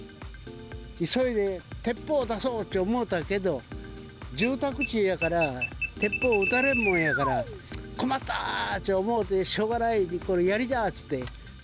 急いで鉄砲出そうって思うたけど、住宅地だから、鉄砲撃たれんもんやから、困ったと思って、しょうがない、やりじ